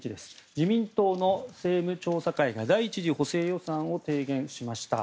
自民党の政務調査会が第１次補正予算を提言しました。